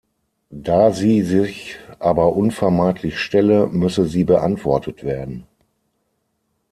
Da sie sich aber unvermeidlich stelle, müsse sie beantwortet werden.